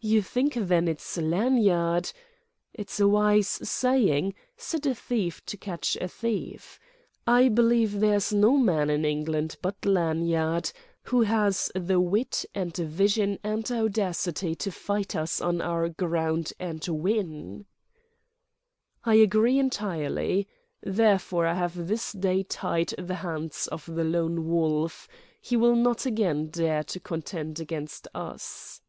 "You think, then, it is Lanyard—?" "It's a wise saying: 'Set a thief to catch a thief.' I believe there's no man in England but Lanyard who has the wit and vision and audacity to fight us on our ground and win." "I agree entirely. Therefore, I have this day tied the hands of the Lone Wolf; he will not again dare to contend against us."